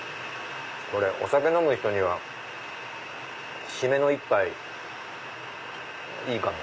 これお酒飲む人には締めの一杯いいかも。